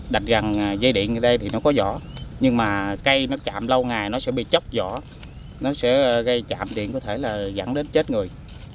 đặt rằng dây điện ở đây thì nó có rõ nhưng mà cây nó chạm lâu ngày nó sẽ bị chóc vỏ nó sẽ gây chạm điện có thể là dẫn đến chết người